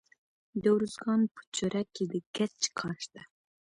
د ارزګان په چوره کې د ګچ کان شته.